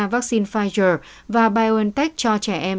vaccine pfizer và biontech cho trẻ em